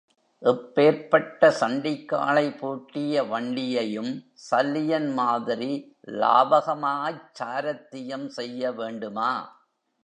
எப்பேர்ப்பட்ட சண்டிக்காளை பூட்டிய வண்டியையும் சல்லியன் மாதிரி லாவகமாய்ச் சாரத்தியம் செய்ய வேண்டுமா?